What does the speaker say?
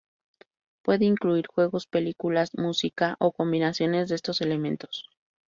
Puede incluir juegos, películas, música, o combinaciones de estos elementos.